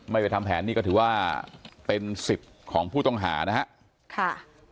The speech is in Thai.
ไม่ไปทำแผนนี่ก็ถือว่าเป็นสิทธิ์ของผู้ต้องหานะครับ